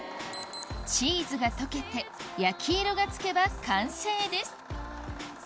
チーズが溶けて焼き色がつけば完成です